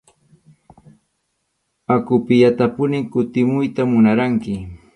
Aqupiyatapunim kutimuyta munarqani.